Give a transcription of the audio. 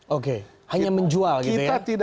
oke hanya menjual gitu ya